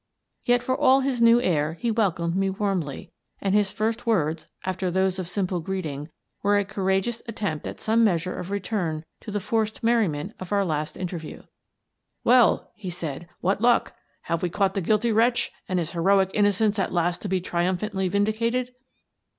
Yet for all his new air, he welcomed me warmly, and his first words, after those of simple greeting, were a courageous attempt at some measure of return to the forced merriment of our last inter view. " Well," he said, " what luck? Have we caught the guilty wretch, and is heroic innocence at last to be triumphantly vindicated?"